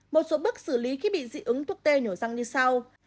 một số bước xử lý khi bị dị ứng thuốc t nhỏ răng như sau